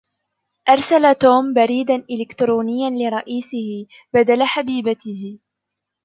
أرسل توم بريدًا إلكترونيًّا لرئيسه بدل حبيبته.